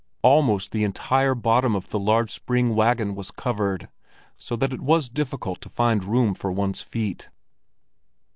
Almost the entire bottom of the large spring wagon was covered, so that it was difficult to find room for one's feet.